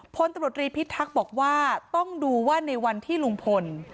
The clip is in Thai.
พตพิทธักษ์บอกว่าต้องดูว่าในวันที่ลุงพล